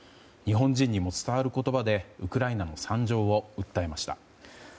日本人にも伝わる言葉でウクライナの惨状を訴えました。